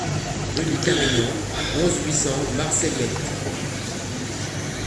Rue du Carignan, onze, huit cents Marseillette